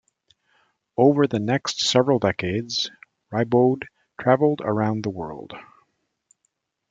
Over the next several decades, Riboud traveled around the world.